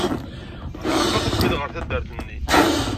Iɛreq-as ubrid ɣer taddart-nni.